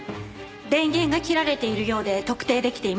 電源が切られているようで特定できていません。